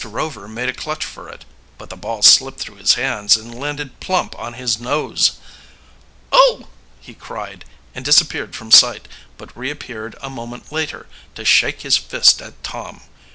Rover made a clutch for it, but the ball slipped through his hands and landed plump on his nose. "Oh!" he cried, and disappeared from sight, but reappeared a moment later, to shake his fist at Tom.